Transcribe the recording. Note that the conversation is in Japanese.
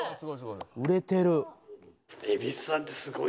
売れてる！